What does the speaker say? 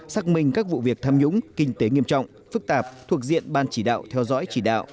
xác minh các vụ việc tham nhũng kinh tế nghiêm trọng phức tạp thuộc diện ban chỉ đạo theo dõi chỉ đạo